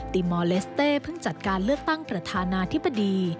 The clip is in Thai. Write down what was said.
มอลเลสเต้เพิ่งจัดการเลือกตั้งประธานาธิบดี